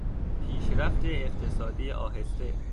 پیشرفت اقتصادی آهسته